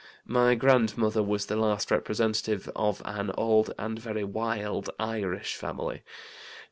My grandmother was the last representative of an old and very 'wild' Irish family.